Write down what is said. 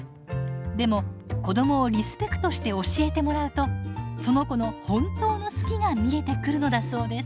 でも子どもをリスペクトして教えてもらうとその子の本当の「好き」が見えてくるのだそうです。